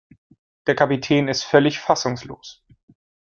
Der Kapitän ist völlig fassungslos.